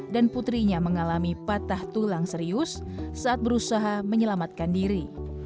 dan putrinya mengalami patah tulang serius saat berusaha menyelamatkan diri